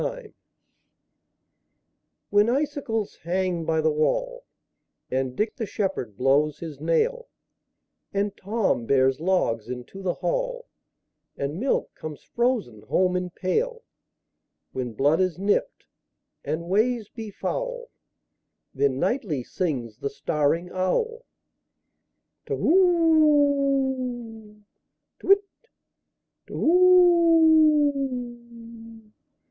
Winter WHEN icicles hang by the wallAnd Dick the shepherd blows his nail, And Tom bears logs into the hall, And milk comes frozen home in pail; When blood is nipt, and ways be foul, Then nightly sings the staring owlTu whoo! To whit, Tu whoo!